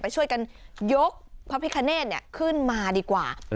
ไปช่วยกันยกพระพิคาร์เนตเนี้ยขึ้นมาดีกว่าอืม